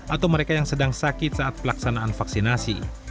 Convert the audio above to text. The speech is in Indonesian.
atau mereka yang sedang sakit saat pelaksanaan vaksinasi